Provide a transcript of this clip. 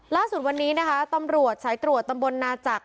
ล่าสุดวันนี้นะคะตำรวจสายตรวจตำบลนาจักร